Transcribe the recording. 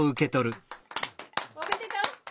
おめでとう！